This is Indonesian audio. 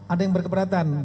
ada yang berkeberatan